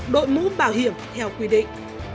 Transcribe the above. đội mũ bảo hiểm theo quy định